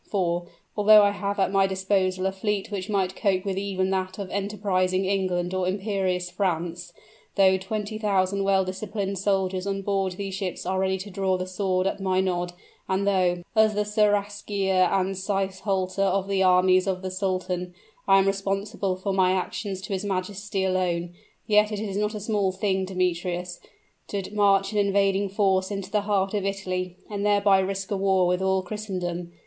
For, although I have at my disposal a fleet which might cope with even that of enterprising England or imperious France, though twenty thousand well disciplined soldiers on board these ships are ready to draw the sword at my nod, and though, as the seraskier and sipehsalar of the armies of the sultan, I am responsible for my actions to his majesty alone, yet it is not a small thing, Demetrius, to march an invading force into the heart of Italy, and thereby risk a war with all Christendom.